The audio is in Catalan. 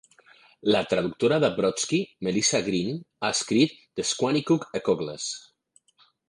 La traductora de Brodsky, Melissa Green, ha escrit "The Squanicook Eclogues".